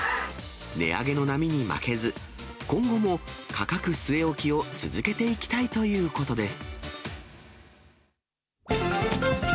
値上げの波に負けず、今後も価格据え置きを続けていきたいということです。